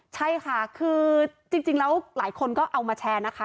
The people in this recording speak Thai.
ใช่ค่ะคือจริงแล้วหลายคนก็เอามาแชร์นะคะ